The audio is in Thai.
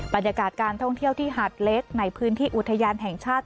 บรรยากาศการท่องเที่ยวที่หาดเล็กในพื้นที่อุทยานแห่งชาติ